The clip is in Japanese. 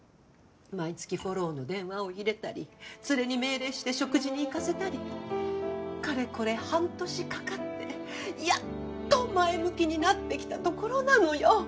毎月フォローの電話を入れたりツレに命令して食事に行かせたりかれこれ半年かかってやっと前向きになってきたところなのよ。